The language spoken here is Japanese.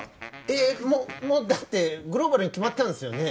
えぇももうだってグローバルに決まったんすよね？